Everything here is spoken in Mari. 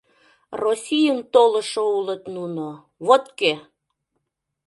Российым толышо улыт нуно — вот кӧ!